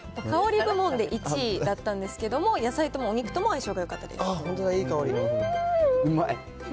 香り部門で１位だったんですけれども、野菜ともお肉とも相性よかったでうまい。